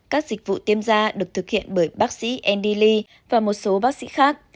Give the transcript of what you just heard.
các dịch vụ tiêm da được thực hiện bởi bác sĩ andy lee và một số bác sĩ khác